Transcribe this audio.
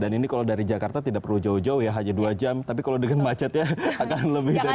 dan ini kalau dari jakarta tidak perlu jauh jauh ya hanya dua jam tapi kalau dengan macetnya akan lebih dari dua jam